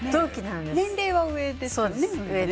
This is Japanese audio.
年齢は上ですよね。